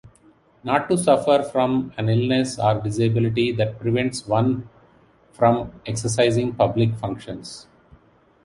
Not to suffer from an illness or disability that prevents one from exercising public functions.